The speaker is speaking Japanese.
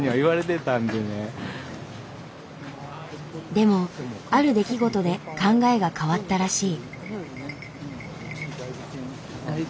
でもある出来事で考えが変わったらしい。